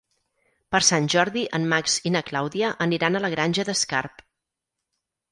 Per Sant Jordi en Max i na Clàudia aniran a la Granja d'Escarp.